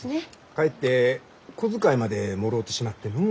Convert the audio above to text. かえって小遣いまでもろうてしまってのう。